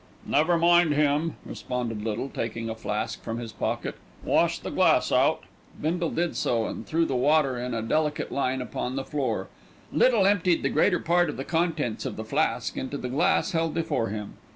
"Never mind him," responded Little, taking a flask from his pocket. "Wash the glass out." Bindle did so, and threw the water in a delicate line upon the floor. Little emptied the greater part of the contents of the flask into the glass held before him.